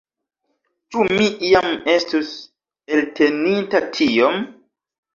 Ĉu mi iam estus elteninta tiom?